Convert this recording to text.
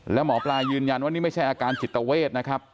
แล้วหมอปลายืนยันว่านี่ไม่ใช่อาการจิตเวทนะครับ